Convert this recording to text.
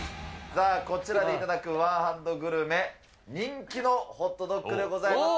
さあ、こちらで頂くワンハンドグルメ、人気のホットドッグでございます。